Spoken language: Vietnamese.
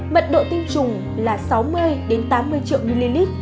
mật độ tinh trùng là sáu mươi tám mươi triệu ml